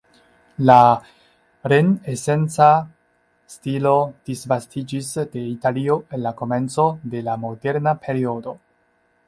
La renesanca stilo disvastiĝis de Italio en la komenco de la moderna periodo.